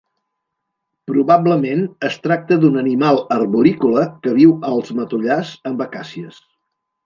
Probablement es tracta d'un animal arborícola que viu als matollars amb acàcies.